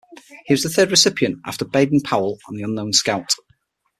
He was the third recipient, after Baden-Powell and the Unknown Scout.